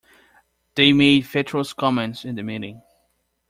They made fatuous comments in the meeting.